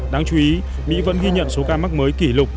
đáng chú ý mỹ vẫn ghi nhận số ca mắc mới kỷ lục